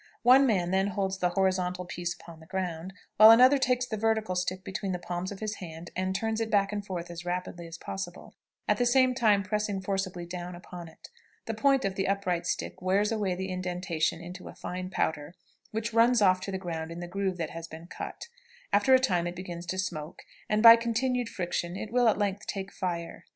One man then holds the horizontal piece upon the ground, while another takes the vertical stick between the palms of his hands, and turns it back and forth as rapidly as possible, at the same time pressing forcibly down upon it. The point of the upright stick wears away the indentation into a fine powder, which runs off to the ground in the groove that has been cut; after a time it begins to smoke, and by continued friction it will at length take fire.